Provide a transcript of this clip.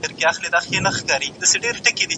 موږ غوږ نیسو.